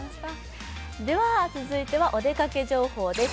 では続いてはお出かけ情報です。